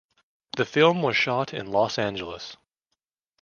The film was shot in Los Angeles.